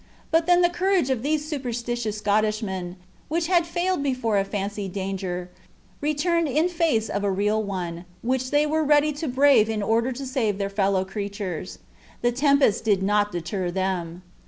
But then the courage of these superstitious Scotchmen, which had failed before a fancied danger, returned in face of a real one, which they were ready to brave in order to save their fellow creatures. The tempest did not deter them.